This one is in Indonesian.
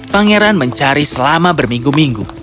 pangeran mencari selama berminggu minggu